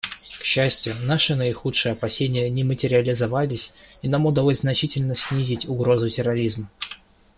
К счастью, наши наихудшие опасения не материализовались и нам удалось значительно снизить угрозу терроризма.